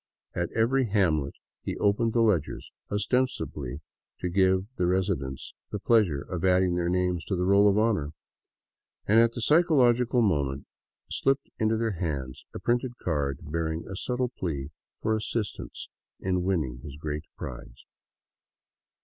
At every hamlet he opened the ledgers — ostensibly to give the resi dents the pleasure of adding their names to the roll of honor — and at the psychological moment slipped into their hands a printed card bear ing a subtle plea for assistance in winning his great " prize."